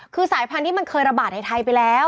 คือสายพันธุ์ที่มันเคยระบาดในไทยไปแล้ว